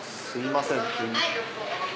すみません急に。